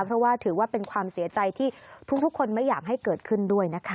เพราะว่าถือว่าเป็นความเสียใจที่ทุกคนไม่อยากให้เกิดขึ้นด้วยนะคะ